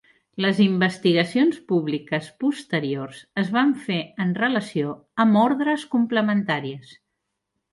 Les investigacions públiques posteriors es van fer en relació amb ordres complementàries.